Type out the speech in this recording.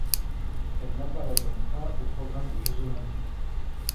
Elle n'apparaît donc pas au programme des Jeux olympiques.